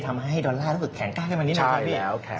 ทำให้ดอลลาร์รู้สึกแข็งกล้าได้มากนิดหนึ่ง